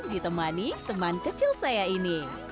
ditemani teman kecil saya ini